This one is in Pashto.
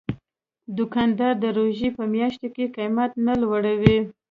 دوکاندار د روژې په میاشت کې قیمت نه لوړوي.